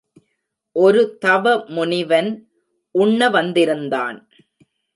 ஒரு தவ முனிவன் உண்ண வந்திருந்தான்.